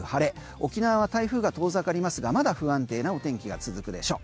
沖縄は台風が遠ざかりますがまだ不安定なお天気が続くでしょう。